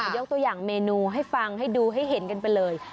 ยกตัวอย่างเมนูให้ฟังให้ดูให้เห็นกันไปเลย